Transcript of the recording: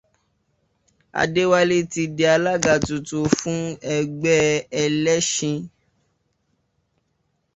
Adéwálé ti di alága tuntun fún Ẹgbẹ́ Ẹlẹ́ṣin